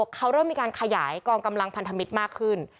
เขาเริ่มมีการขยายกองกำลังพันธมิตรมากขึ้น